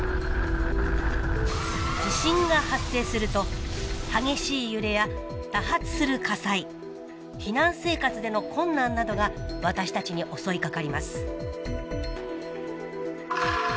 地震が発生すると激しい揺れや多発する火災避難生活での困難などが私たちに襲いかかります